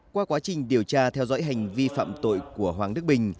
qua quá trình điều tra theo dõi hành vi phạm tội của hoàng đức bình